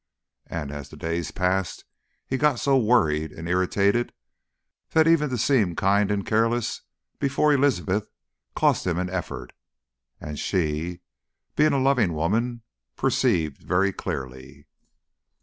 And as the days passed, he got so worried and irritated that even to seem kind and careless before Elizabeth cost him an effort as she, being a loving woman, perceived very clearly.